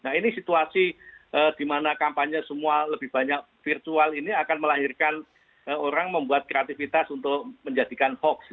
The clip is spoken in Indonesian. nah ini situasi di mana kampanye semua lebih banyak virtual ini akan melahirkan orang membuat kreativitas untuk menjadikan hoax